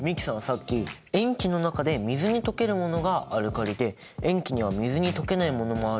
さっき塩基の中で水に溶けるものがアルカリで塩基には水に溶けないものもあるって言ってたじゃん？